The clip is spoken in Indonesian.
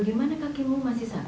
kenapa kamu masih disini